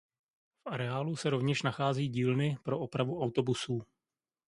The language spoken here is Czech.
V areálu se rovněž nachází dílny pro opravu autobusů.